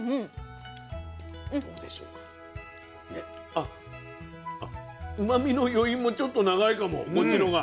あっうまみの余韻もちょっと長いかもこっちのほうが。